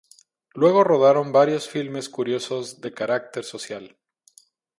Luego rodaron varios filmes curiosos de carácter social.